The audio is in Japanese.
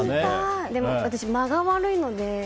私、間が悪いので。